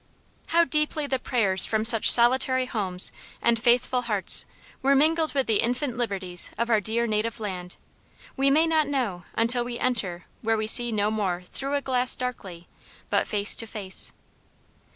"How deeply the prayers from such solitary homes and faithful hearts were mingled with the infant liberties of our dear native land, we may not know until we enter where we see no more 'through a glass darkly, but face to face.'